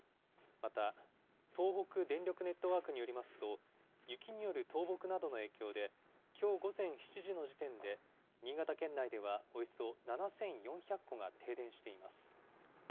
また、東北電力ネットワークによりますと、雪による倒木などの影響で、きょう午前７時の時点で、新潟県内ではおよそ７４００戸が停電しています。